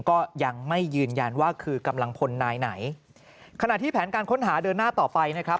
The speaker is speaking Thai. ก็ยังไม่ยืนยันว่าคือกำลังพลนายไหนขณะที่แผนการค้นหาเดินหน้าต่อไปนะครับ